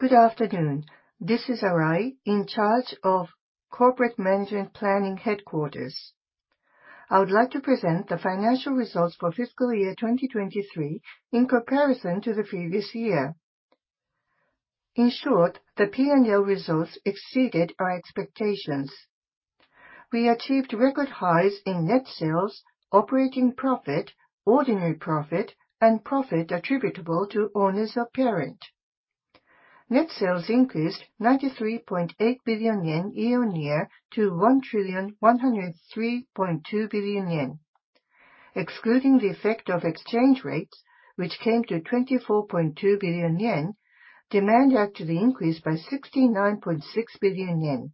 Good afternoon. This is Arai, in charge of Corporate Management Planning Headquarters. I would like to present the financial results for fiscal year 2023 in comparison to the previous year. In short, the P&L results exceeded our expectations. We achieved record highs in net sales, operating profit, ordinary profit, and profit attributable to owners of parent. Net sales increased 93.8 billion yen year-on-year to 1,103.2 billion yen. Excluding the effect of exchange rates, which came to 24.2 billion yen, demand actually increased by 69.6 billion yen.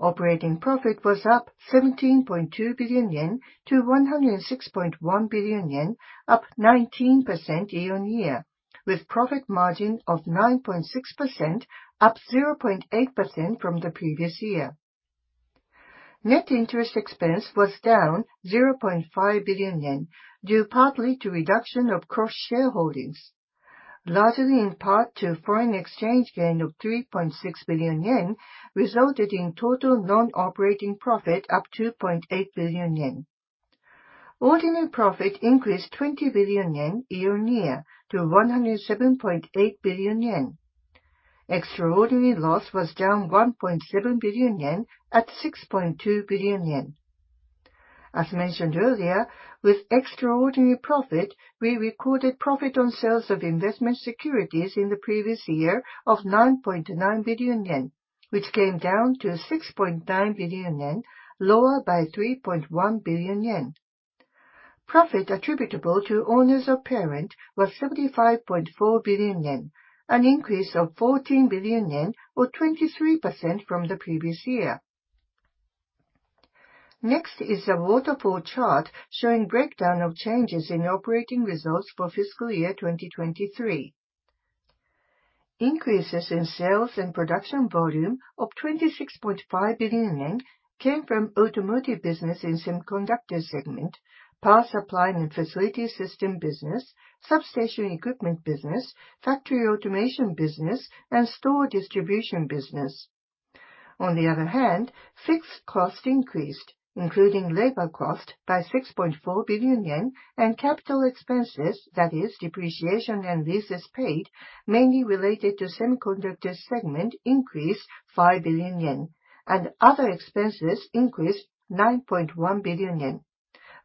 Operating profit was up 17.2 billion yen to 106.1 billion yen, up 19% year-on-year, with profit margin of 9.6%, up 0.8% from the previous year. Net interest expense was down 0.5 billion yen due partly to reduction of cross-shareholdings. Largely in part to foreign exchange gain of 3.6 billion yen resulted in total non-operating profit up 2.8 billion yen. Ordinary profit increased 20 billion yen year-on-year to 107.8 billion yen. Extraordinary loss was down 1.7 billion yen at 6.2 billion yen. As mentioned earlier, with extraordinary profit, we recorded profit on sales of investment securities in the previous year of 9.9 billion yen, which came down to 6.9 billion yen, lower by 3.1 billion yen. Profit attributable to owners of parent was 75.4 billion yen, an increase of 14 billion yen or 23% from the previous year. Next is a waterfall chart showing breakdown of changes in operating results for fiscal year 2023. Increases in sales and production volume of 26.5 billion yen came from Automotive business in Semiconductor segment, Power Supply and Facility Systems business, Substation Equipment business, Factory Automation business, and Store Distribution business. On the other hand, fixed costs increased, including labor cost by 6.4 billion yen and capital expenses, that is, depreciation and leases paid, mainly related to Semiconductor segment increased 5 billion yen, and other expenses increased 9.1 billion yen.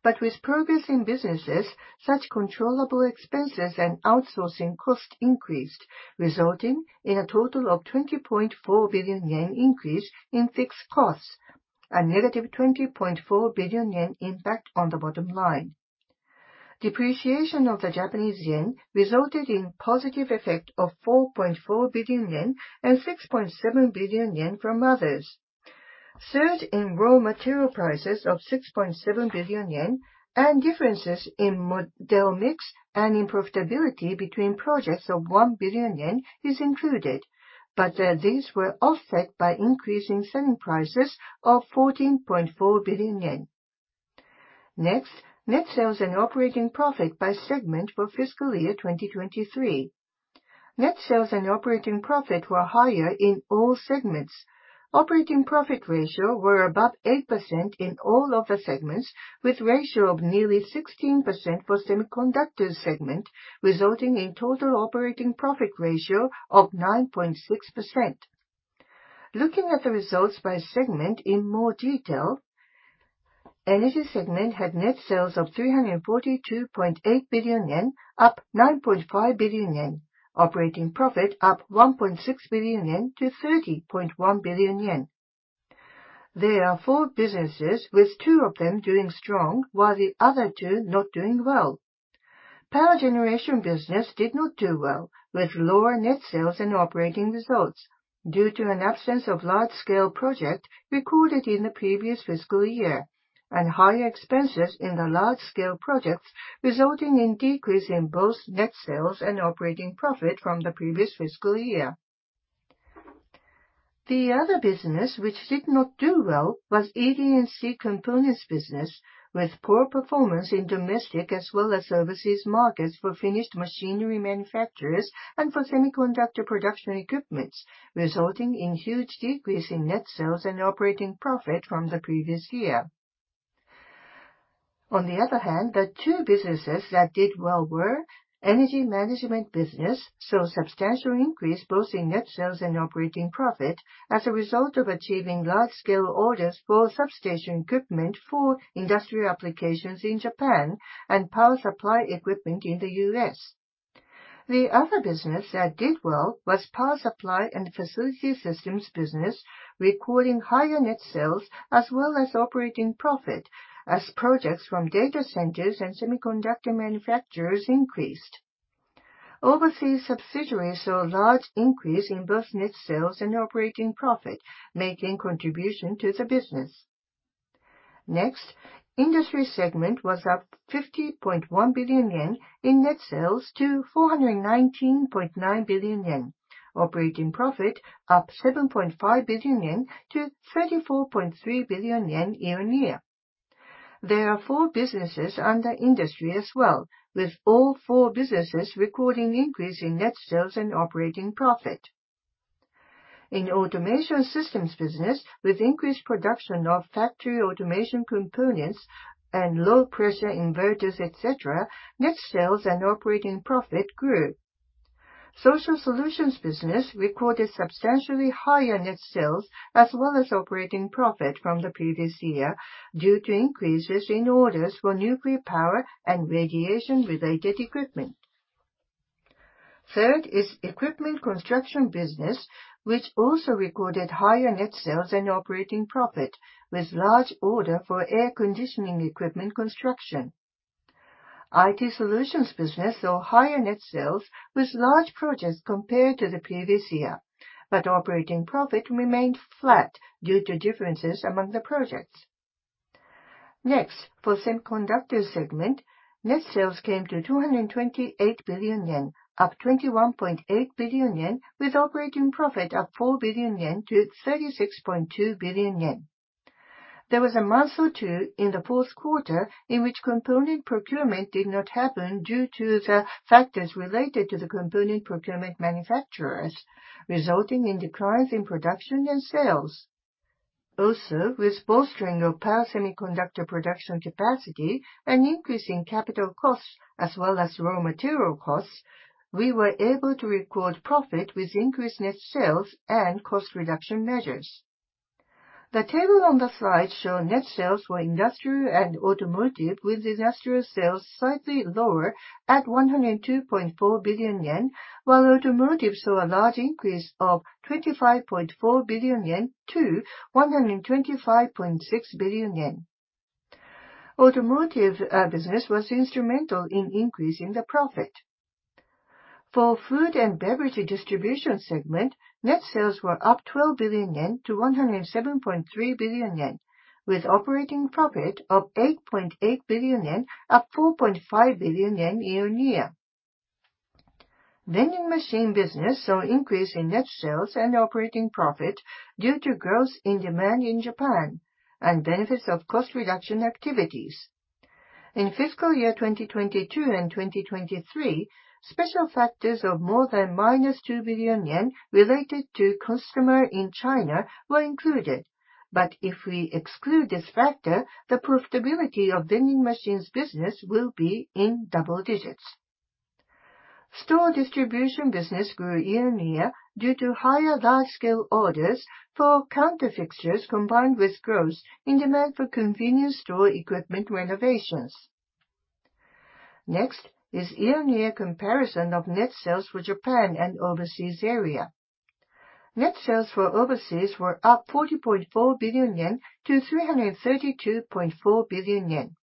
But with progress in businesses, such controllable expenses and outsourcing costs increased, resulting in a total of 20.4 billion yen increase in fixed costs, a -20.4 billion yen impact on the bottom line. Depreciation of the Japanese yen resulted in positive effect of 4.4 billion yen and 6.7 billion yen from others. Surge in raw material prices of 6.7 billion yen and differences in model mix and profitability between projects of 1 billion yen is included, but these were offset by increasing selling prices of 14.4 billion yen. Next, net sales and operating profit by segment for fiscal year 2023. Net sales and operating profit were higher in all segments. Operating profit ratios were above 8% in all of the segments, with ratios of nearly 16% for Semiconductor segment, resulting in total operating profit ratio of 9.6%. Looking at the results by segment in more detail, Energy segment had net sales of 342.8 billion yen, up 9.5 billion yen, operating profit up 1.6 billion yen to 30.1 billion yen. There are four businesses, with two of them doing strong while the other two not doing well. Power Generation business did not do well, with lower net sales and operating results due to an absence of large-scale project recorded in the previous fiscal year and higher expenses in the large-scale projects, resulting in decrease in both net sales and operating profit from the previous fiscal year. The other business, which did not do well, was ED&C Components business, with poor performance in domestic as well as overseas markets for finished machinery manufacturers and for semiconductor production equipment, resulting in huge decrease in net sales and operating profit from the previous year. On the other hand, the two businesses that did well were Energy Management business, saw substantial increase both in net sales and operating profit as a result of achieving large-scale orders for substation equipment for industrial applications in Japan and power supply equipment in the U.S. The other business that did well was power supply and facility systems business, recording higher net sales as well as operating profit as projects from data centers and semiconductor manufacturers increased. Overseas subsidiaries saw a large increase in both net sales and operating profit, making contribution to the business. Next, Industry segment was up 50.1 billion yen in net sales to 419.9 billion yen, operating profit up 7.5 billion yen to 34.3 billion yen year-on-year. There are four businesses under industry as well, with all four businesses recording increase in net sales and operating profit. In Automation Systems business, with increased production of factory automation components and low-voltage inverters, etc., net sales and operating profit grew. Social Solutions business recorded substantially higher net sales as well as operating profit from the previous year due to increases in orders for nuclear power and radiation-related equipment. Third is Equipment Construction business, which also recorded higher net sales and operating profit with large order for air conditioning equipment construction. IT Solutions business saw higher net sales with large projects compared to the previous year, but operating profit remained flat due to differences among the projects. Next, for Semiconductor segment, net sales came to 228 billion yen, up 21.8 billion yen, with operating profit up 4 billion yen to 36.2 billion yen. There was a month or two in the fourth quarter in which component procurement did not happen due to the factors related to the component procurement manufacturers, resulting in declines in production and sales. Also, with bolstering of power semiconductor production capacity and increasing capital costs as well as raw material costs, we were able to record profit with increased net sales and cost reduction measures. The table on the slide shows net sales for industrial and automotive, with industrial sales slightly lower at 102.4 billion yen, while automotive saw a large increase of 25.4 billion yen to 125.6 billion yen. Automotive business was instrumental in increasing the profit. For Food and Beverage Distribution segment, net sales were up 12 billion yen to 107.3 billion yen, with operating profit up 8.8 billion yen, up 4.5 billion yen year-on-year. Vending Machine business saw increase in net sales and operating profit due to growth in demand in Japan and benefits of cost reduction activities. In fiscal year 2022 and 2023, special factors of more than -2 billion yen related to customer in China were included, but if we exclude this factor, the profitability of vending machines business will be in double digits. Store distribution business grew year-on-year due to higher large-scale orders for counter fixtures combined with growth in demand for convenience store equipment renovations. Next is year-on-year comparison of net sales for Japan and overseas area. Net sales for overseas were up 40.4 billion yen to 332.4 billion yen.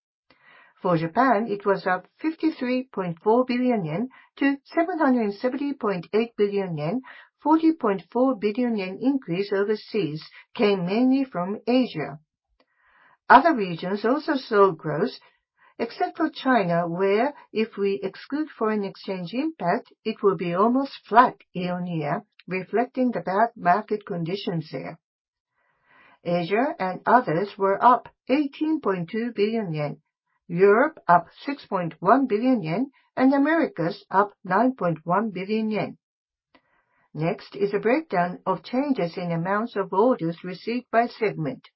For Japan, it was up 53.4 billion yen to 770.8 billion yen. A 40.4 billion yen increase overseas came mainly from Asia. Other regions also saw growth, except for China where, if we exclude foreign exchange impact, it will be almost flat year-on-year, reflecting the bad market conditions there. Asia and others were up 18.2 billion yen, Europe up 6.1 billion yen, and Americas up 9.1 billion yen. Next is a breakdown of changes in amounts of orders received by segment.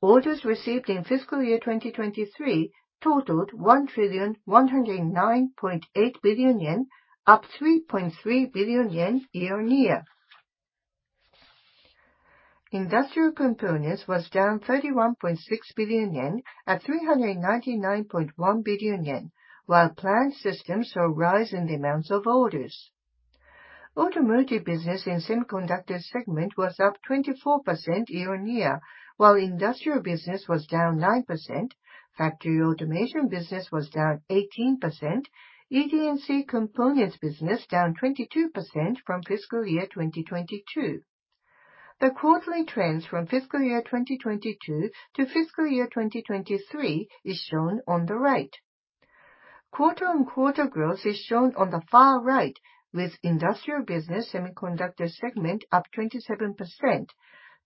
Orders received in fiscal year 2023 totaled 1,109.8 billion yen, up 3.3 billion yen year-on-year. Industrial Components was down 31.6 billion yen at 399.1 billion yen, while Plant Systems saw a rise in the amounts of orders. Automotive business in Semiconductor segment was up 24% year-on-year, while Industrial business was down 9%, factory automation business was down 18%, ED&C components business down 22% from fiscal year 2022. The quarterly trends from fiscal year 2022 to fiscal year 2023 are shown on the right. Quarter-on-quarter growth is shown on the far right, with Industrial business Semiconductor segment up 27%,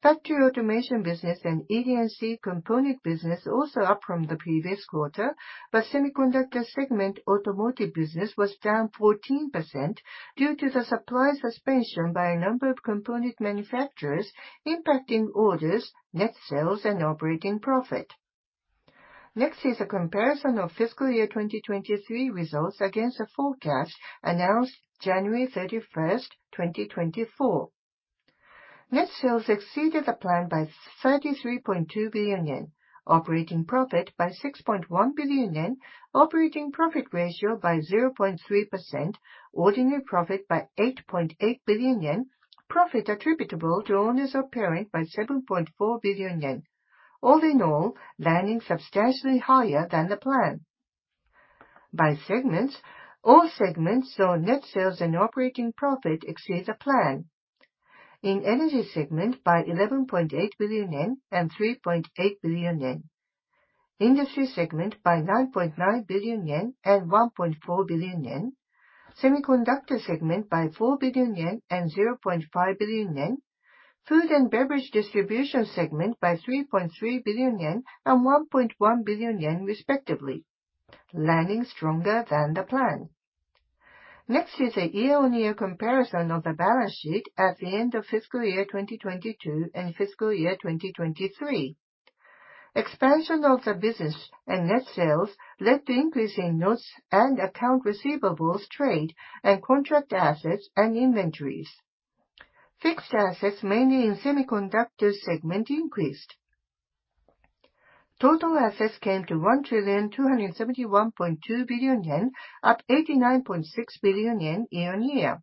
factory automation business, and ED&C components business also up from the previous quarter, but Semiconductor segment automotive business was down 14% due to the supply suspension by a number of component manufacturers impacting orders, net sales, and operating profit. Next is a comparison of fiscal year 2023 results against the forecast announced January 31, 2024. Net sales exceeded the plan by 33.2 billion yen, operating profit by 6.1 billion yen, operating profit ratio by 0.3%, ordinary profit by 8.8 billion yen, profit attributable to owners of parent by 7.4 billion yen. All in all, landing substantially higher than the plan. By segments, all segments saw net sales and operating profit exceed the plan. In energy segment, by 11.8 billion yen and 3.8 billion yen. Industry segment, by 9.9 billion yen and 1.4 billion yen. Semiconductor segment, by 4 billion yen and 0.5 billion yen. Food and Beverage Distribution segment, by 3.3 billion yen and 1.1 billion yen, respectively. Landing stronger than the plan. Next is a year-on-year comparison of the balance sheet at the end of fiscal year 2022 and fiscal year 2023. Expansion of the business and net sales led to increase in notes and accounts receivable trade and contract assets and inventories. Fixed assets, mainly in Semiconductor segment, increased. Total assets came to 1,271.2 billion yen, up 89.6 billion yen year-on-year.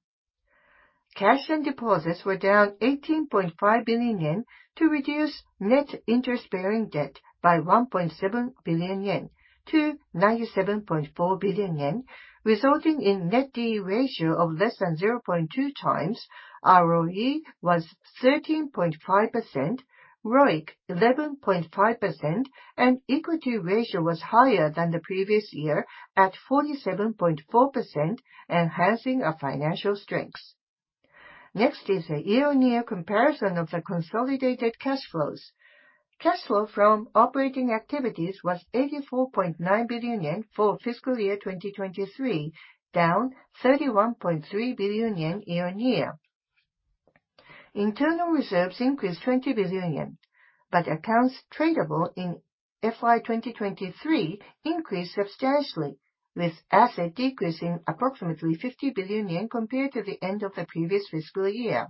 Cash and deposits were down 18.5 billion yen to reduce net interest-bearing debt by 1.7 billion yen to 97.4 billion yen, resulting in net D/E ratio of less than 0.2 times, ROE was 13.5%, ROIC 11.5%, and equity ratio was higher than the previous year at 47.4%, enhancing financial strengths. Next is a year-on-year comparison of the consolidated cash flows. Cash flow from operating activities was 84.9 billion yen for fiscal year 2023, down 31.3 billion yen year-on-year. Internal reserves increased 20 billion yen, but accounts tradable in FY 2023 increased substantially, with asset decreasing approximately 50 billion yen compared to the end of the previous fiscal year.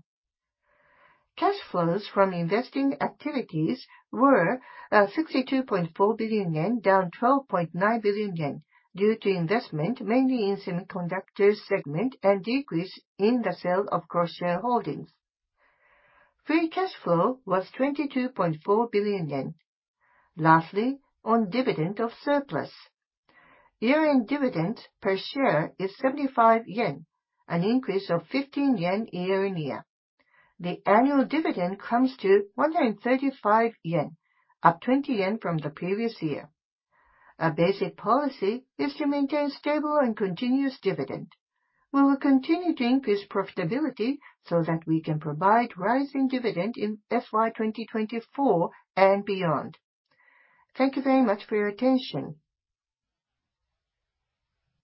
Cash flows from investing activities were 62.4 billion yen, down 12.9 billion yen due to investment mainly in Semiconductor segment and decrease in the sale of cross-shareholdings. Free cash flow was 22.4 billion yen. Lastly, on dividend of surplus. Year-end dividend per share is 75 yen, an increase of 15 yen year-on-year. The annual dividend comes to 135 yen, up 20 yen from the previous year. A basic policy is to maintain stable and continuous dividend. We will continue to increase profitability so that we can provide rising dividend in FY 2024 and beyond. Thank you very much for your attention.